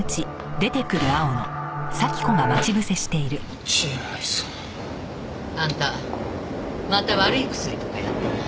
落合さん。あんたまた悪いクスリとかやってない？